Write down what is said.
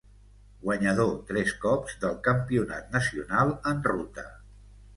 Guanyador tres cops del Campionat nacional en ruta.